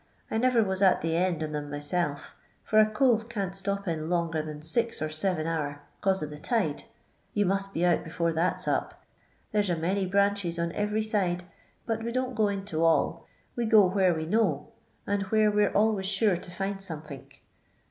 I niver was at the end on them myself, for a cove can't stop in longer than six or seven hour, 'cause of the tide; you must be out before that 's up. There 's a many branches on ivery side, but we don't go into all; we go where we know, and where we're always sure to find somethink.